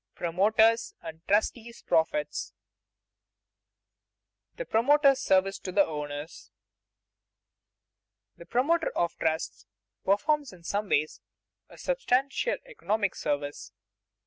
PROMOTER'S AND TRUSTEE'S PROFITS [Sidenote: The promoter's service to the owners] 1. _The promoter of trusts performs in some ways a substantial economic service.